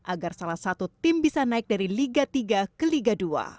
agar salah satu tim bisa naik dari liga tiga ke liga dua